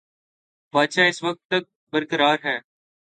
بادشاہ اس وقت تک برقرار ہے۔